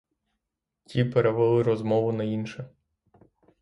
Ті перевели розмову на інше.